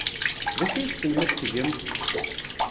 D acu ay tessnem ad t-tgem?